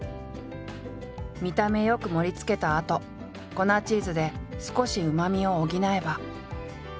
見た目良く盛りつけたあと粉チーズで少しうまみを補えば。